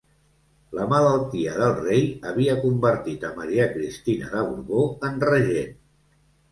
La malaltia del rei havia convertit a Maria Cristina de Borbó en Regent.